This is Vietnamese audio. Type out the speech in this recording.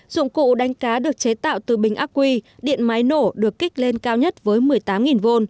dụng cụ đánh cá được chế tạo từ bình ác quy điện máy nổ được kích lên cao nhất với một mươi tám v